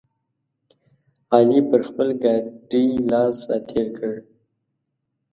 علي پر خپل ګاډي لاس راتېر کړ.